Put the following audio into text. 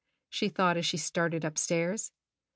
she thought as she started upstairs.